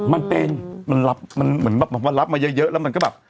มันเป็นมันรับมันเหมือนแบบว่ารับมาเยอะแล้วมันก็แบบ